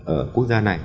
ở quốc gia này